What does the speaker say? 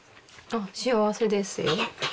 あっ、幸せですよ。